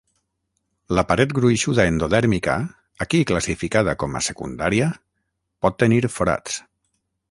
La paret gruixuda endodèrmica, aquí classificada com a secundària, pot tenir forats.